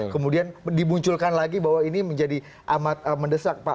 kemudian dimunculkan lagi bahwa ini menjadi amat mendesak pak